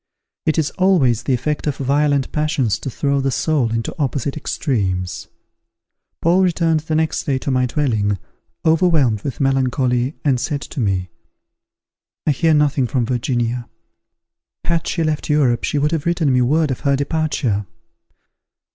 It is always the effect of violent passions to throw the soul into opposite extremes. Paul returned the next day to my dwelling, overwhelmed with melancholy, and said to me, "I hear nothing from Virginia. Had she left Europe she would have written me word of her departure.